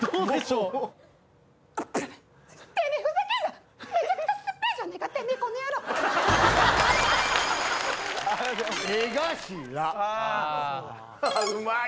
うまい！